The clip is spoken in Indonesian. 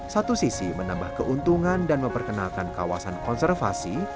satu sisi menambah keuntungan dan memperkenalkan kawasan konservasi